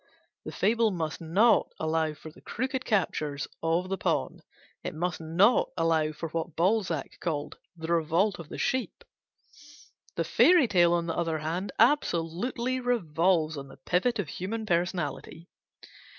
The fable must not allow for the crooked captures of the pawn; it must not allow for what Balzac called "the revolt of a sheep" The fairy tale, on the other hand, absolutely revolves on the pivot of human personality.